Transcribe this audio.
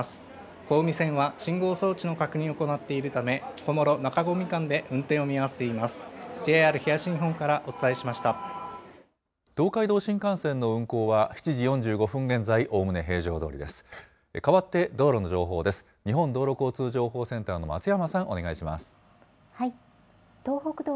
小海線は信号装置の確認を行っているため、小諸・中込間で運転を見合わせています。